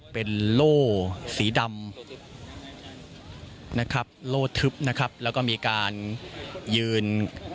เป็นโล่สีดำนะครับโล่ทึบนะครับแล้วก็มีการยืน